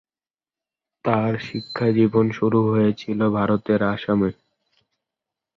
তার শিক্ষাজীবন শুরু হয়েছিলো ভারতের আসামে।